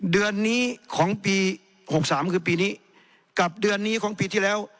เดือนนี้ของปีหกสามคือปีนี้กับเดือนนี้ของปีที่แล้ว